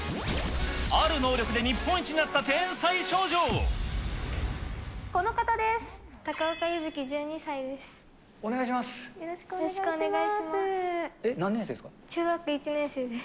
ある能力で日本一になった天才少この方です。